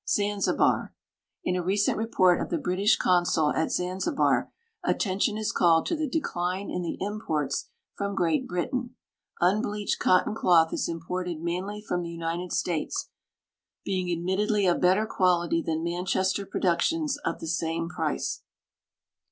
Zanzibar. In a recent report of the British consul at Zanzibar atten tion is called to tbe decline in the imports from Great Britain. Un bleached cotton cloth is imported mainly from the United States, being admittedly of better quality than Manchester productions of the same price.